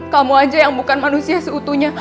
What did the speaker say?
kamu aja yang bukan manusia seutuhnya